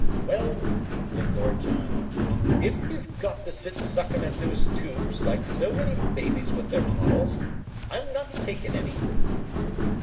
"Well," said Lord John, "if we've got to sit suckin' at those tubes like so many babies with their bottles, I'm not takin' any."